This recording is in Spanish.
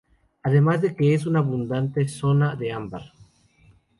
Además de que es una abundante zona de ámbar.